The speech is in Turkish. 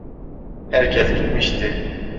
Herkes gitmişti.